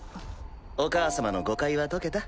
お母様の誤解は解けた？